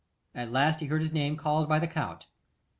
At last he heard his name called by the Count.